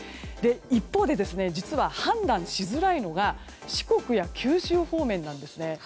一方で実は判断しづらいのが四国や九州方面なんですね。